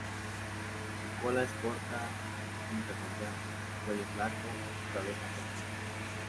Su cola es corta y redondeada, su cuello es largo y su cabeza pequeña.